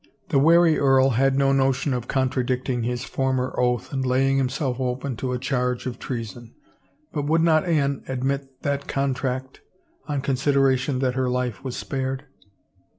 The wary earl had no notion of contradicting his for mer oath and laying himself open to a charge of treason. But would not Anne admit that contract — on considera tion that her life was spared?